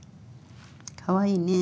かわいいね。